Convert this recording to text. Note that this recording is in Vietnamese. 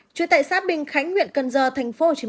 chuyển tại xác bình khánh huyện cần giờ tp hcm